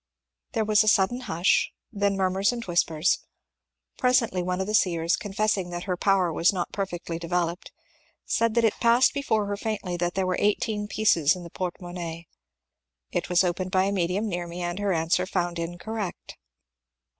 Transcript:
There was a sudden hush, then murmurs and whispers; presently one of the seers, confessing that her power was not perfectly developed, said that it passed before her faintly that there were eighteen pieces in the portmonnaie. It was opened by a mediiun near me and her answer found incorrect.